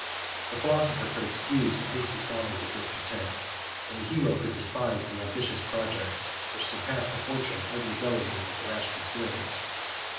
The philosopher could excuse the hasty sallies of discontent; and the hero could despise the ambitious projects which surpassed the fortune or the abilities of the rash conspirators.